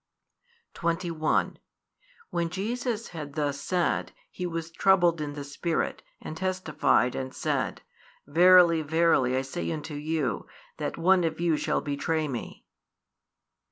21 When Jesus had thus said, He was troubled in the spirit, and testified, and said, Verily, verily, I say unto you, that one of you shall betray Me.